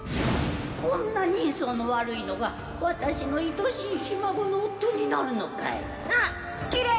こんな人相の悪いのが私の愛しいひ孫の夫になるのかい。ッ！